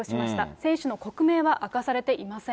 選手の国名は明かされていません。